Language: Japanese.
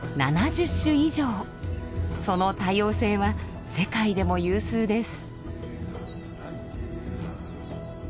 その多様性は世界でも有数です。